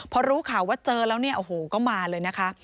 พอรู้ข่าวว่าเจอแล้วเนี่ยโอ้โหก็มาเลยนะคะ